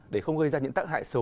để không gây ra những tác hại xấu